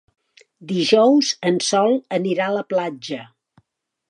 Dijous en Sol anirà a la platja.